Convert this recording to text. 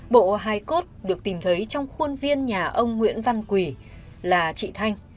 bộ hai cốt được tìm thấy trong khuôn viên nhà ông nguyễn văn quỷ là chị thanh